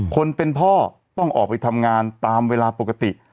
คนเป็นพ่อต้องออกไปทำงานตามเวลาปกติ